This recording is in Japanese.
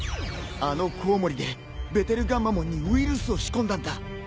あのコウモリでベテルガンマモンにウイルスを仕込んだんだ。